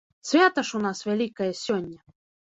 Свята ж у нас вялікае сёння.